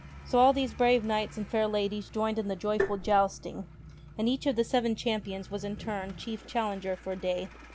So all these brave knights and fair ladies joined In the joyful jousting, and each of the Seven Champions was in turn Chief Challenger for a day.